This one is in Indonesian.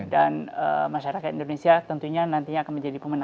dan masyarakat indonesia tentunya nantinya akan menjadi pemenang